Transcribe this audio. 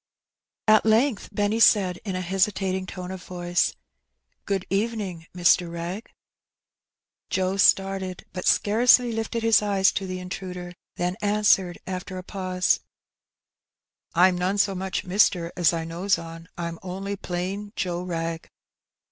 At length Benny said, in a hesitating tone of voice, '^ Good evening, Mr. Wrag.^' Joe started, but scarcely lifted his eyes to the intruder ; then answered, after a pause — ^^Fm none so much mister, as I knows on; Fm only plain Joe Wrag.''